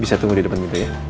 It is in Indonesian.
bisa tunggu di depan pintu ya